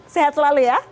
sehat selalu ya